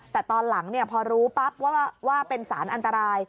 แต่ตอนหลังพอรู้ปั๊บว่าเป็นสารอันตราย